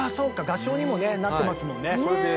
合唱にもねなってますもんね。